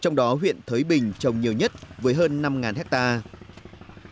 trong đó huyện thới bình trồng nhiều nhất với hơn năm hectare